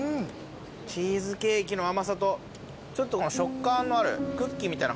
チーズケーキの甘さとちょっと食感のあるクッキーみたいなの。